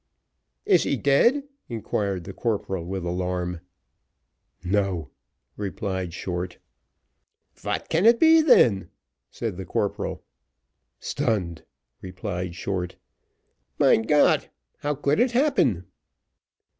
"Is he dead?" inquired the corporal with alarm. "No," replied Short. "Vat can it be then?" said the corporal. "Stunned," replied Short. "Mein Got! how could it happen?"